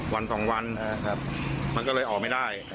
วัน๒วันมันก็เลยออกไม่ได้